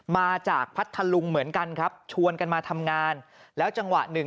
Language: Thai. พัทธลุงเหมือนกันครับชวนกันมาทำงานแล้วจังหวะหนึ่ง